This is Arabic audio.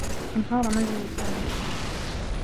انهار منزل سامي.